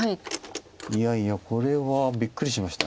いやいやこれはびっくりしました。